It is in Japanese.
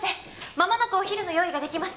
まもなくお昼の用意が出来ますから。